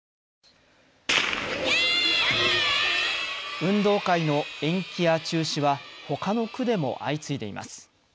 運動会の延期や中止はほかの区でも相次いでいます。